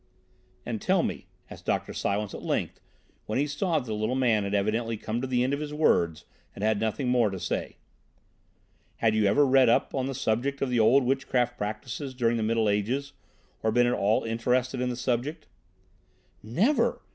"And, tell me," asked Dr. Silence at length, when he saw that the little man had evidently come to the end of his words and had nothing more to say, "had you ever read up the subject of the old witchcraft practices during the Middle Ages, or been at all interested in the subject?" "Never!"